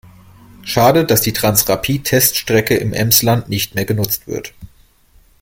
Schade, dass die Transrapid-Teststrecke im Emsland nicht mehr genutzt wird.